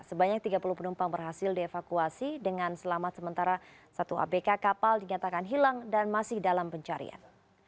sebanyak tiga puluh penumpang berhasil dievakuasi dengan selamat sementara satu abk kapal dinyatakan hilang dan masih dalam pencarian